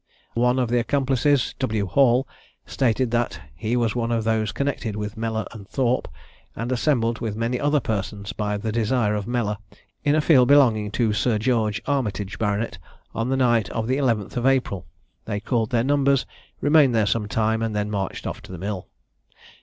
One of the accomplices, W. Hall, stated that he was one of those connected with Mellor and Thorp, and assembled with many other persons by the desire of Mellor, in a field belonging to sir George Armitage, Bart., on the night of the 11th of April. They called their numbers, remained there some time, and then marched off to the mill.